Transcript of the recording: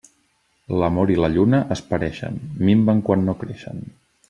L'amor i la lluna es pareixen, minven quan no creixen.